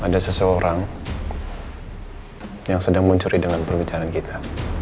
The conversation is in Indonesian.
ada seseorang yang sedang mencuri dengan perbicaraan kita